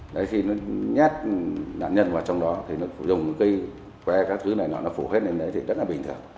đấy khi nó nhét nạn nhân vào trong đó thì nó dùng cái que các thứ này nó phổ hết lên đấy thì rất là bình thường